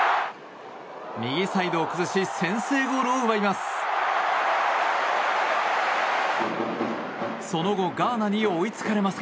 右サイドを崩し先制ゴールを奪います。